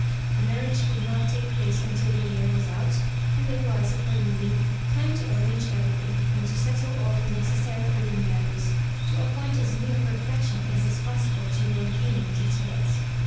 The marriage could not take place until the year was out; and there was, accordingly, time to arrange everything, and to settle all the necessary preli minaries to a point as near perfection as is pos sible to merely human details.